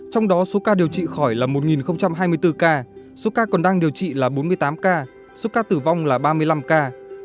trong đó số ca điều trị khỏi là một hai mươi bốn ca số ca còn đang điều trị là bốn mươi tám ca số ca tử vong là ba mươi năm ca